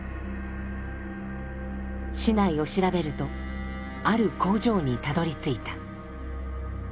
市内を調べるとある工場にたどりついた。